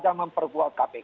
yang memperkuat kpk